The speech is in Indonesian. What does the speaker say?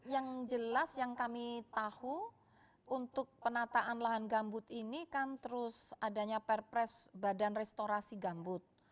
yang jelas yang kami tahu untuk penataan lahan gambut ini kan terus adanya perpres badan restorasi gambut